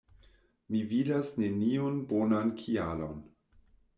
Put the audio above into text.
Mi vidas neniun bonan kialon...